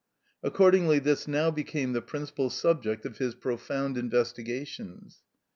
Accordingly this now became the principal subject of his profound investigations.